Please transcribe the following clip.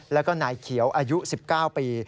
แล้วก็นายเขียวอายุ๑๙ปี